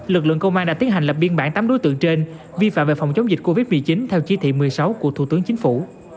lực lượng công an đã tiến hành lập biên bản tám đối tượng trên vi phạm về phòng chống dịch covid một mươi chín theo chỉ thị một mươi sáu của thủ tướng chính phủ